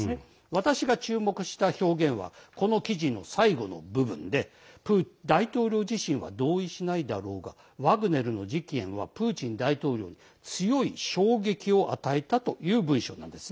私が注目したのは最後の部分で、大統領自身は同意しないだろうがワグネルの事件はプーチン大統領に強い衝撃を与えたという文章なんです。